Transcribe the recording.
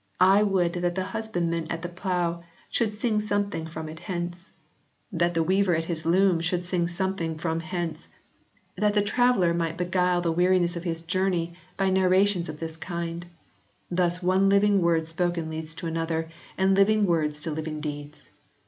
I would that the husband man at the plough should sing something from hence, 40 HISTORY OF THE ENGLISH BIBLE [OH. that the weaver at his loom should sing something from hence, that the traveller might beguile the weariness of his journey by narrations of this kind/ Thus one living word spoken leads to another, and living words to living deeds.